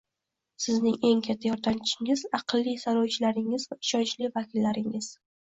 Sizning eng katta yordamchingiz - aqlli saylovchilaringiz va ishonchli vakillaringiz